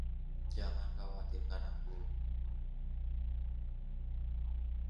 Jangan khawatirkan aku.